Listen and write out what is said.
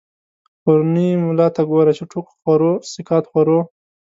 پرونی ملا ته گوره، چی ټوک خورو سقاط خورو